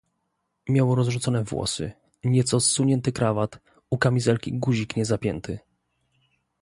"Miał rozrzucone włosy, nieco zsunięty krawat, u kamizelki guzik nie zapięty."